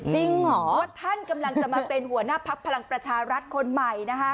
เหรอท่านกำลังจะมาเป็นหัวหน้าพักพลังประชารัฐคนใหม่นะคะ